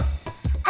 ini tasnya mak